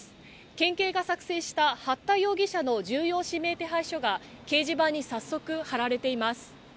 県警が作成した八田容疑者の重要指名手配書が早速、はられています。